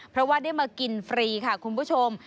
เพราะว่าได้มากินฟรีค่ะคุณผู้ชม